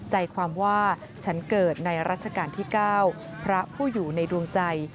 ใจความว่าฉันเกิดในรัชกาลที่๙พระผู้อยู่ในดวงใจ